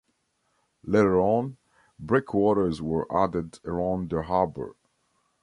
Later on, breakwaters were added around the harbor.